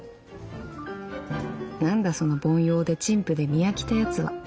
なんだその凡庸で陳腐で見飽きたやつは。